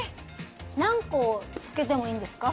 何個つけてもいいんですか？